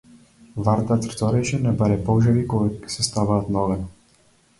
Варта црцореше небаре полжави кога се ставаат на оган.